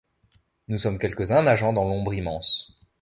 Nous sommes quelques-uns nageant dans l'ombre immense